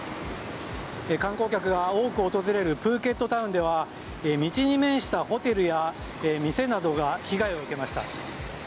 観光客が多く訪れるプーケットタウンでは道に面したホテルや店などが被害を受けました。